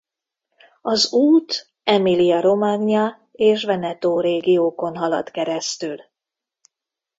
Az út Emilia-Romagna és Veneto régiókon halad keresztül.